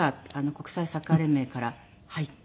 国際サッカー連盟から入って。